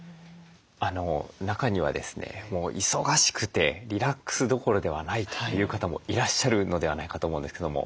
中にはですねもう忙しくてリラックスどころではないという方もいらっしゃるのではないかと思うんですけども。